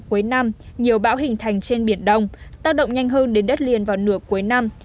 cuối năm nhiều bão hình thành trên biển đông tác động nhanh hơn đến đất liền vào nửa cuối năm